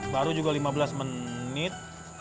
baru juga lima belas menit